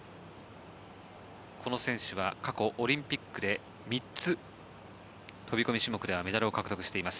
この選手は過去、オリンピックで３つ飛込種目ではメダルを獲得しています。